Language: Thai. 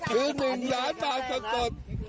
เฮ้ยน้ำตามาน้ำตามาตาเรือเราเลย